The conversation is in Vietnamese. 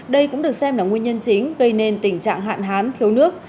đây cũng được xem là nguyên nhân chính gây nên tình trạng hạn hán thiếu nước